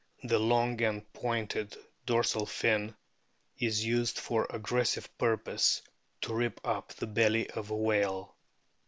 28cS A BOOK OF WHALES long and pointed dorsal fin is used for aggressive purposes, to rip up the belly of a whale